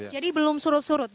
jadi belum surut surut